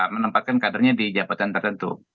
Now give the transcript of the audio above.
menempatkan kadernya di jabatan tertentu